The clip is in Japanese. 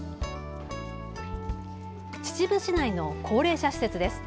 秩父市内の高齢者施設です。